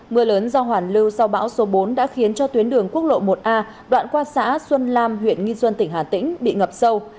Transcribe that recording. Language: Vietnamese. mưa lớn do hoàn lưu sau bão số bốn đã khiến cho tuyến đường quốc lộ một a đoạn qua xã xuân lam huyện nghi xuân tỉnh hà tĩnh bị ngập sâu